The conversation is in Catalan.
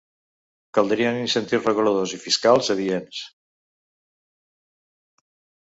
Caldrien incentius reguladors i fiscals adients.